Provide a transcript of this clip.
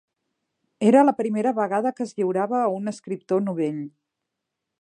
Era la primera vegada que es lliurava a un escriptor novell.